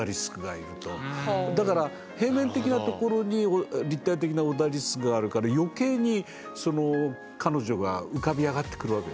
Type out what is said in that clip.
だから平面的なところに立体的なオダリスクがあるから余計にその彼女が浮かび上がってくるわけですよ。